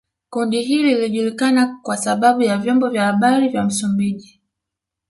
kundi hili lilijulikana kwa sababu ya vyombo vya habari vya Msumbiji